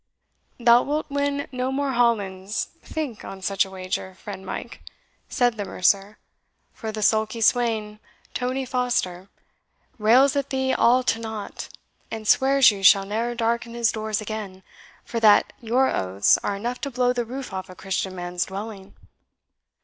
"Thou wilt win no more Hollands, think, on such wager, friend Mike," said the mercer; "for the sulky swain, Tony Foster, rails at thee all to nought, and swears you shall ne'er darken his doors again, for that your oaths are enough to blow the roof off a Christian man's dwelling."